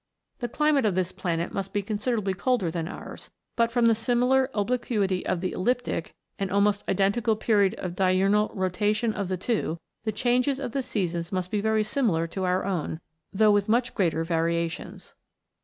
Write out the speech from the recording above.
The climate of this planet must be consider ably colder than ours j but, from the similar obli quity of the ecliptic, and almost identical period of diurnal rotation of the two, the changes of the seasons must be very similar to our own, though with much greater variations.